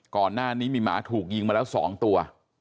ก่อนหน้านี้มีหมาถูกยิงมาแล้ว๒ตัว